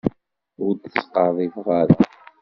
Ur d-ttqerrib ara.